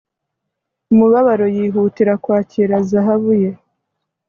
Umubabaro yihutira kwakira zahabu ye